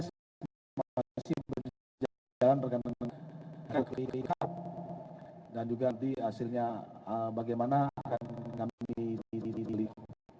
saya sendiri masih berjalan jalan bergantung dengan rti kap dan juga di hasilnya bagaimana akan kami didilikan